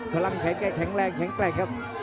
พลังแขนแกแข็งแรงแข็งแกร่งครับ